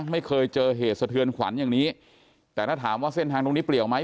ไม่เคยเจอเหตุสะเทือนขวัญอย่างนี้แต่ถ้าถามว่าเส้นทางตรงนี้เปลี่ยวไหม